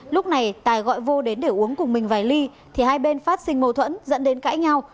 lúc này tài gọi vô đến để uống cùng mình vài ly thì hai bên phát sinh mâu thuẫn dẫn đến cãi nhau